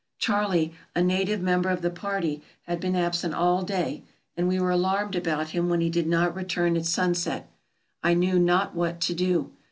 Charley, a native member of the party, had been absent all day, and we were alarmed about him when he did not return at sunset. I knew not what to do.